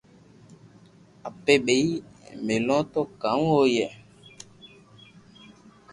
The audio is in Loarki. اپي ٻئي ملو تو ڪاو ھوئي